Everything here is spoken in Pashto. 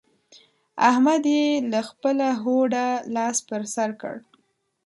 احمد يې له خپله هوډه لاس پر سر کړ.